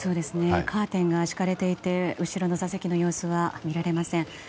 カーテンが引かれていて後ろの座席の様子は見られません。